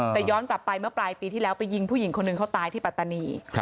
แต่ย้อนกลับไปเมื่อปลายปีที่แล้วไปยิงผู้หญิงคนหนึ่งเขาตายที่ปัตตานี